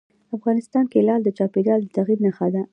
افغانستان کې لعل د چاپېریال د تغیر نښه ده.